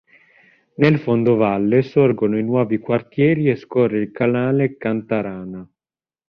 Nel fondovalle sorgono i nuovi quartieri e scorre il Canale Cantarana.